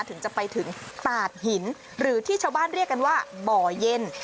ถึงจะไปถึงตาดหินหรือที่ชาวบ้านเรียกกันว่าบ่อเย็น